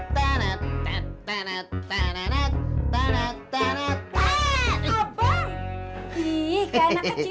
tanak tanak tanak tanak tanak tanak tanak tanak